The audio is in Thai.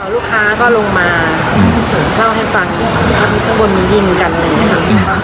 ลูกค้าเข้าลงมาเดินเข้าให้ฟังเพราะที่ข้างบนมียิงกันอย่างนี้ครับ